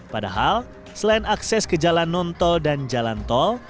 padahal selain akses ke jalan non tol dan jalan tol